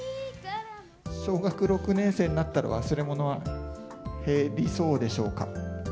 小学６年生になったら、忘れ物は減りそうでしょうか。